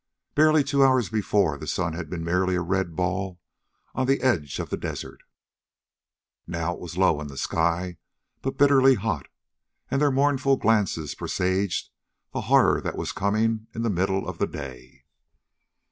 Barely two hours before the sun had been merely a red ball on the edge of the desert. Now it was low in the sky, but bitterly hot. And their mournful glances presaged the horror that was coming in the middle of the day.